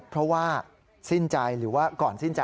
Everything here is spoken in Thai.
เพราะว่าสิ้นใจหรือว่าก่อนสิ้นใจ